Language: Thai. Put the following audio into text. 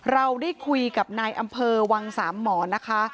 เราได้คุยกับนายอำเภอวังสามหมอนะคะ